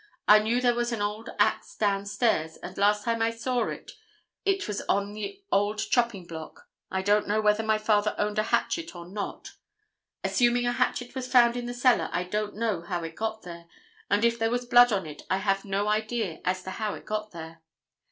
I knew there was an old axe down stairs and last time I saw it it was on the old chopping block. I don't know whether my father owned a hatchet or not. Assuming a hatchet was found in the cellar I don't know how it got there, and if there was blood on it I have no idea as to how it got there.